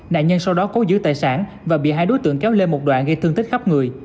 nạn nhân sau đó cố giữ tài sản và bị hai đối tượng kéo lê một đoạn gây thương tích khắp người